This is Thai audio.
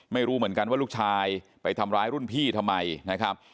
ไม่รู้เหมือนกันว่าลูกชายไปทำร้ายรุ่นพี่ทำไมนะครับ